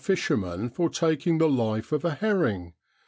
fisherman for taking the life of a herring.